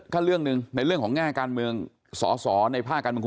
ก็เรื่องหนึ่งในเรื่องของแง่การเมืองสอสอในภาคการเมือง